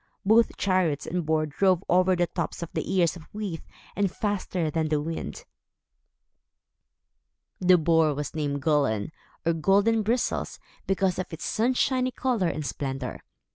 Both chariot and boar drove over the tops of the ears of wheat, and faster than the wind. The Boar was named Gullin, or Golden Bristles because of its sunshiny color and splendor.